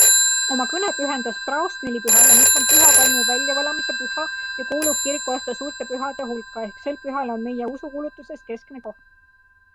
Oma kõne pühendas praost nelipühale, mis on Püha Vaimu väljavalamise püha ja kuulub kirikuaasta suurte pühade hulka ehk sel pühal on meie usukuulutuses keskne koht.